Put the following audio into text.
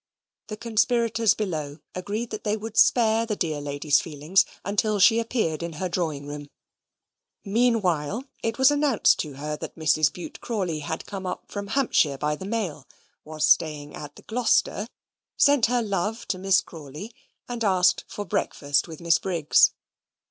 The conspirators below agreed that they would spare the dear lady's feelings until she appeared in her drawing room: meanwhile it was announced to her that Mrs. Bute Crawley had come up from Hampshire by the mail, was staying at the Gloster, sent her love to Miss Crawley, and asked for breakfast with Miss Briggs.